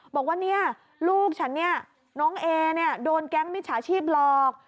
บอกว่าเนี่ยลูกฉันเนี่ยน้องเอเนี่ยโดนแก๊งมิจฉาชีพหลอก